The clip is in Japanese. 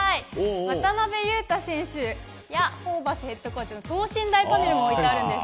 渡邊雄太選手やホーバスヘッドコーチの等身大パネルも置いてあるんです。